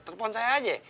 telepon saya aja